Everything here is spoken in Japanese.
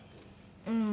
うん。